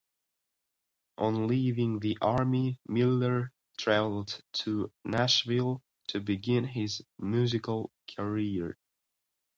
On leaving the Army, Miller traveled to Nashville to begin his musical career.